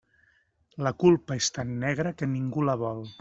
La culpa és tan negra que ningú la vol.